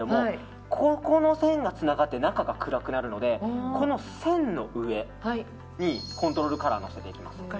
この線がつながって中が暗くなるのでこの線の上にコントロールカラーをのせていきます。